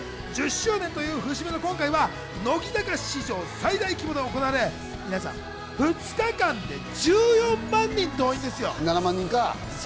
１０周年という節目の今回は乃木坂史上最大規模で行われ、２日間で１４万人を動員ですよ。